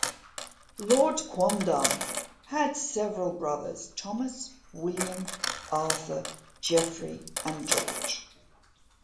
'Lord Quondam' had several brothers: Thomas, William, Arthur, Geoffery and George.